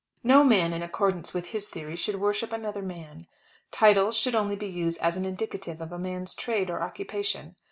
No man in accordance with his theory should worship another man. Titles should only be used as indicative of a man's trade or occupation.